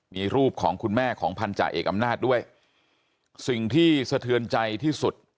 มีรูปของคุณแม่ของพันธาเอกอำนาจด้วยสิ่งที่สะเทือนใจที่สุด